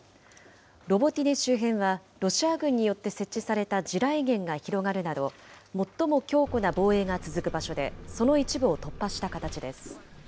ロボティネ周辺はロシア軍によって設置された地雷原が広がるなど、最も強固な防衛が続く場所で、その一部を突破した形です。